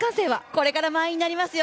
これから満員になりますよ！